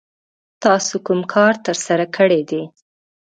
تاسو کوم کار ترسره کړی دی؟